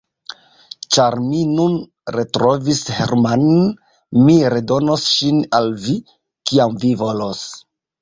Ĉar mi nun retrovis Hermann, mi redonos ŝin al vi, kiam vi volos.